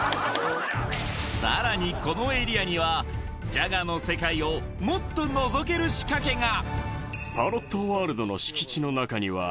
さらにこのエリアにはジャガーの世界をもっとのぞける仕掛けが！